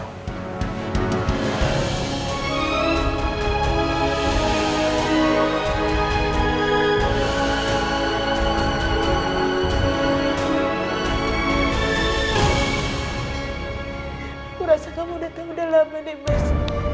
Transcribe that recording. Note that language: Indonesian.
aku rasa kamu sudah tahu dah lama nih mas